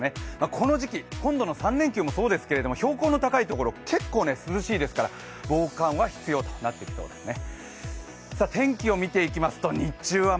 この時期、今度の３連休もそうですけど標高の高いところ結構涼しいですから、防寒は必要となってきそうですね。